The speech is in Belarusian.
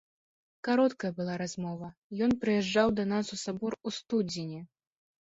Кароткая была размова, ён прыязджаў да нас у сабор у студзені.